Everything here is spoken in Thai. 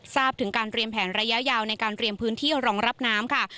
ทราบถึงการเตรียมแผนระยะยาวในการเตรียมพื้นที่รองรับน้ำค่ะ